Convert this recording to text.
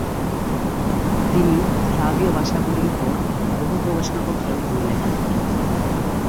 তিনি স্লাভীয় ভাষাগুলির উপর বহু গবেষণাপত্র এবং বই লেখেন।